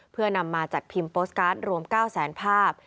เพื่อนำมาจัดพิมพ์โปสตการ์ดรวม๙แสนภาพ